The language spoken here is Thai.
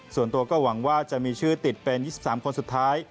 ส่วนตัวก็หวังว่าจะมีชื่อติดเป็น๒๓คนสุดท้าย